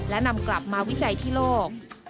และนำกลับมาวิจัยที่โลก